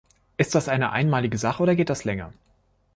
Ist das eine einmalige Sache, oder geht das länger?